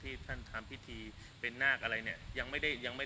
ที่ท่านทำพิธีเป็นนากอะไรเนี่ย